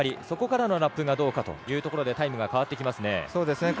そこからのラップがどうかというところでタイムが変わってきますね。